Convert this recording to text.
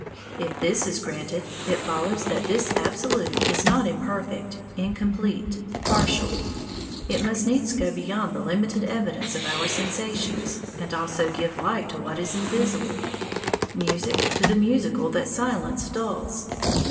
If this is granted, it follows that this Absolute is not imperfect, incomplete, partial. It must needs go beyond the limited evidence of our sensations, and also give light to what is invisible, music to the musical that silence dulls.